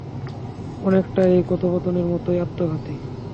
অনেকটা এই কথোপকথনের মতোই আত্মঘাতী!